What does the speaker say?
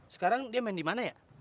sekarang dia main dimana ya